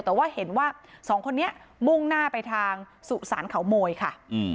แต่ว่าเห็นว่าสองคนนี้มุ่งหน้าไปทางสุสานเขาโมยค่ะ